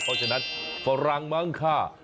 เพราะฉะนั้นฝรั่งมั้งค่ะ